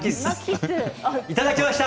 いただきました